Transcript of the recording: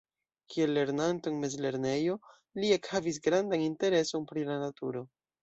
Kiel lernanto en mezlernejo li ekhavis grandan intereson pri la naturo.